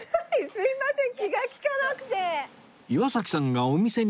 すいません。